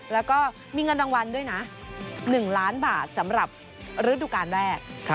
แล้วก็มีเงินรางวัลด้วยนะ๑ล้านบาทสำหรับฤดูการแรก